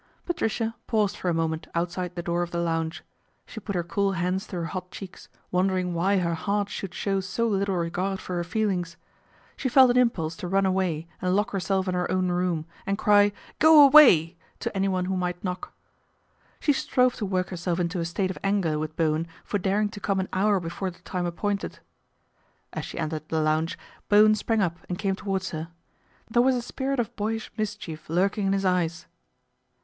Patricia paused for a moment outside the door of the lounge. She put her cool hands to her hot cheeks, wondering why her heart should show so little regard for her feelings. She felt an impulse to run away and lock herself in her own room and cry " Go away !" to anyone who might knock. She strove to work herself into a state of anger with Bowen for daring to come an hour before the time appointed. As she entered the lounge, Bowen sprang up and came towards her. There was a spirit of boyish mischief lurking in his eyes.